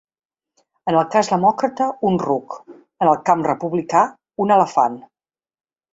En el cas demòcrata, un ruc; en el camp republicà, un elefant.